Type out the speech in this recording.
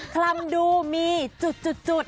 คำดูมีจุด